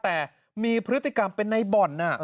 แต่มีพฤติกรรมเป็นในบ่อน